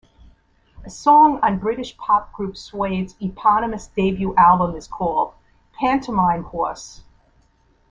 A song on British pop group Suede's eponymous debut album is called "Pantomime Horse".